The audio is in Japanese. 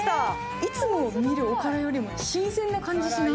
いつも見るおからよりも新鮮な感じしない？